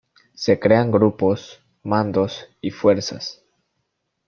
Se crean grupos, mandos y fuerzas.